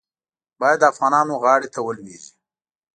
باید د افغانانو غاړې ته ولوېږي.